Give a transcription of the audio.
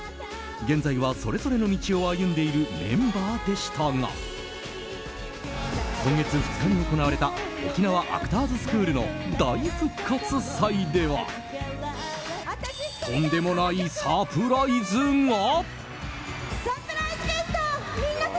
現在はそれぞれの道を歩んでいるメンバーでしたが今月２日に行われた沖縄アクターズスクールの大復活祭ではとんでもないサプライズが。